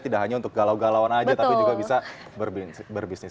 tidak hanya untuk galau galauan aja tapi juga bisa berbisnis